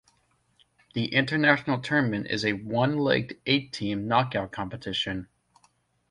The International tournament is a one-legged eight team knockout competition.